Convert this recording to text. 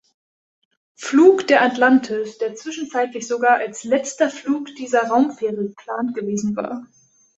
Flug der Atlantis, der zwischenzeitlich sogar als letzter Flug dieser Raumfähre geplant gewesen war.